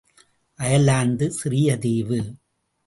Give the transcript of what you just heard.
Ireland சிறிய தீவு.